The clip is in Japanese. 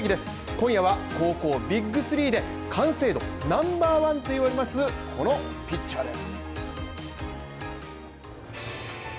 今夜は高校ビッグ３で完成度ナンバーワンといわれるこのピッチャーです。